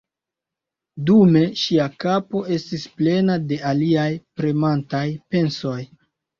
Dume ŝia kapo estis plena de aliaj premantaj pensoj.